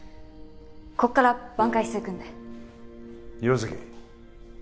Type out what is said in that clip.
こっから挽回していくんで岩崎